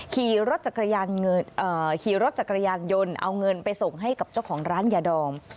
ขี่รถจักรยานยนต์เอาเงินไปส่งให้กับเจ้าของร้านยาดอง